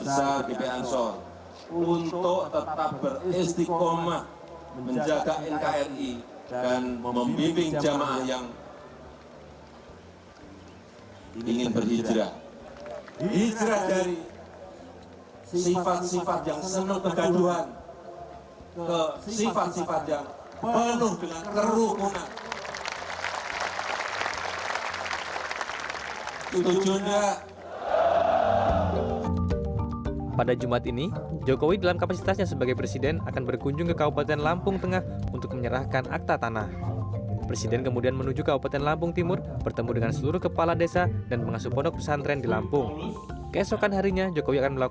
saya ingin mengajak segenap warga besar gp ansor untuk tetap beristikomah menjaga nkri dan membimbing jemaah yang ingin berhijrah